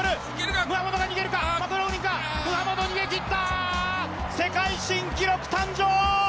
ムハマド、逃げきった、世界新記録誕生。